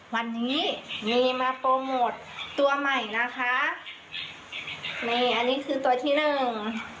วันนี้มีมาโปรโมทตัวใหม่นะคะนี่อันนี้คือตัวที่หนึ่ง